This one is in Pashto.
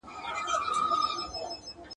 ستا په تور نصیب ختلې شپه یمه تېرېږمه ..